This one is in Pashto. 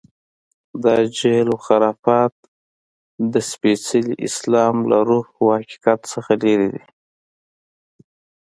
دا جهل و خرافات د سپېڅلي اسلام له روح و حقیقت څخه لرې دي.